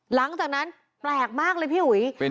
หลังจากนั้นแปลกมากเลยพี่อุ๋ย